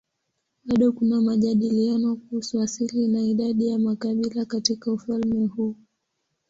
Bado kuna majadiliano kuhusu asili na idadi ya makabila katika ufalme huu.